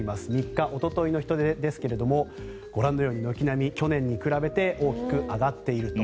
３日、おとといの人出ですがご覧のように軒並み去年に比べて大きく上がっていると。